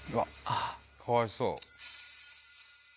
かわいそう。